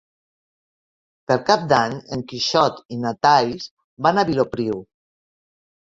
Per Cap d'Any en Quixot i na Thaís van a Vilopriu.